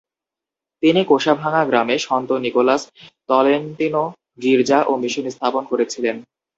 তিনি কোষাভাঙা গ্রামে সন্ত নিকোলাস তলেন্তিনো গির্জা ও মিশন স্থাপন করেছিলেন।